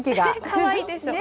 かわいいですね。